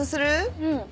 うん。